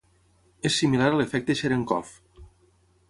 És similar a l'efecte Cherenkov.